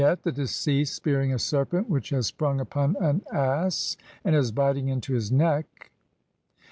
] Vignette : The deceased spearing a serpent which has sprung upon an ass and is biting into his neck ; see Brit.